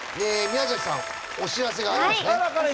宮さんお知らせがありますね。